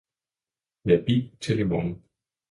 Ja bi til i morgen!